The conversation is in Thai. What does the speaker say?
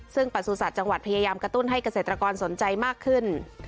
ซึ่งประสุทธิ์จังหวัดพยายามกระตุ้นให้เกษตรกรสนใจมากขึ้น